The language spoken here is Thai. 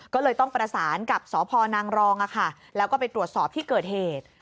ก็เลยต้องประสานกับสพนางรองแล้วก็ไปตรวจสอบที่เกิดเหตุ